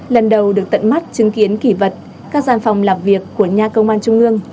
lần đầu được tận mắt chứng kiến kỷ vật các gian phòng làm việc của nhà công an trung ương